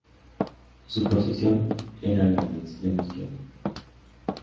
Su posición era la de extremo izquierdo.